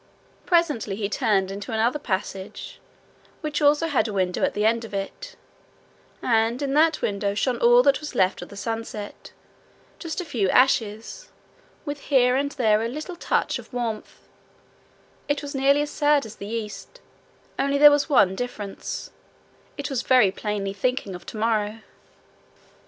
Presently he turned into another passage, which also had a window at the end of it; and in at that window shone all that was left of the sunset, just a few ashes, with here and there a little touch of warmth: it was nearly as sad as the east, only there was one difference it was very plainly thinking of tomorrow.